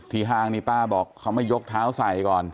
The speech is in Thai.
ที่หางนี้ป้าบอกเขามายกเท้าใสก่อน